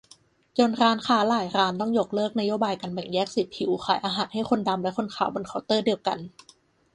จนร้านค้าหลายร้านต้องยกเลิกนโยบายการแบ่งแยกสีผิว ขายอาหารให้คนดำและคนขาวบนเคาน์เตอร์เดียวกัน